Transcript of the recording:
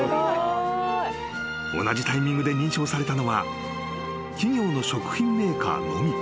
［同じタイミングで認証されたのは企業の食品メーカーのみ］